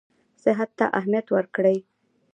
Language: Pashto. صحت ته اهمیت ورکړي.